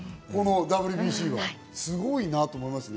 ＷＢＣはすごいなと思いますね。